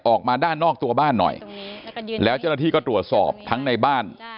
ออกมาด้านนอกตัวบ้านหน่อยแล้วเจ้าหน้าที่ก็ตรวจสอบทั้งในบ้าน